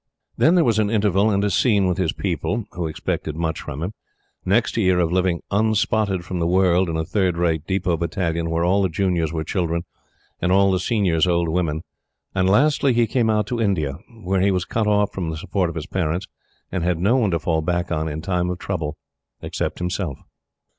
Then there was an interval and a scene with his people, who expected much from him. Next a year of living "unspotted from the world" in a third rate depot battalion where all the juniors were children, and all the seniors old women; and lastly he came out to India, where he was cut off from the support of his parents, and had no one to fall back on in time of trouble except himself.